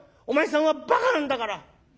お前さんはばかなんだから。